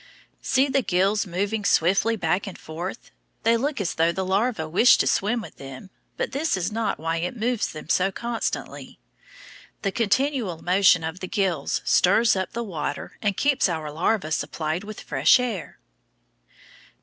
See the gills moving swiftly back and forth; they look as though the larva wished to swim with them, but this is not why it moves them so constantly. The continual motion of the gills stirs up the water and keeps our larva supplied with fresh air.